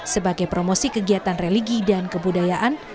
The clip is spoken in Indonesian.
sebagai promosi kegiatan religi dan kebudayaan